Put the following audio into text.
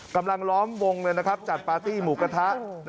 ล้อมวงจัดปาร์ตี้หมูกระทะ